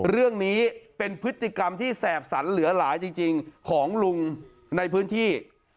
เรื่องนี้เป็นพฤติกรรมที่แสบสันเหลือหลายจริงของลุงในพื้นที่